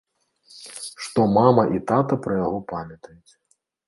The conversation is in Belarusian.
Што мама і тата пра яго памятаюць.